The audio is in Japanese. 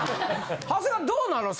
長谷川どうなの？